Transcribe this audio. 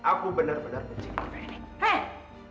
aku benar benar benci guru eleni